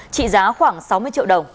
trị giá khoảng sáu mươi triệu đồng